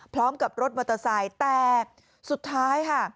พร้อมกับรถมอเตอร์ไซค์แต่สุดท้ายค่ะ